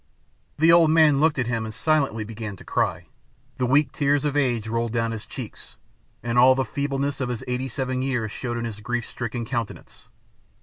The old man looked at him and silently began to cry. The weak tears of age rolled down his cheeks and all the feebleness of his eighty seven years showed in his grief stricken countenance.